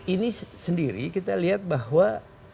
ini sendiri kita lihat bahwa